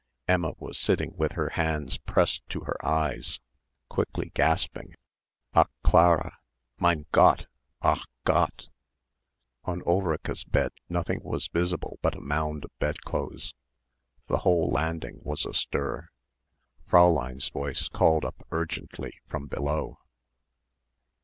Emma was sitting with her hands pressed to her eyes, quickly gasping, "Ach Clara! Mein Gott! Ach Gott!" On Ulrica's bed nothing was visible but a mound of bedclothes. The whole landing was astir. Fräulein's voice called up urgently from below.